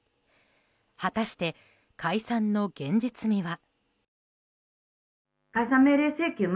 果たして、解散の現実味は。